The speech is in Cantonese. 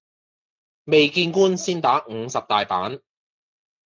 未見官先打五十大板